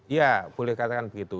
iya boleh dikatakan begitu